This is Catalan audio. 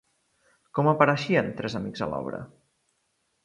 Com apareixien tres amics a l'obra?